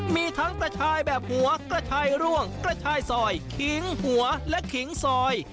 มีทั้งกระชายแบบหัวกระชายร่วงกระชายซอยขิงหัวและขิงซอย